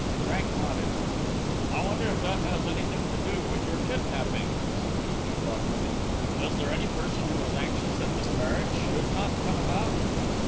Frank nodded. "I wonder if that has anything to do with your kidnapping," said T. B. thoughtfully. "Is there any person who is anxious that this marriage should not come about?"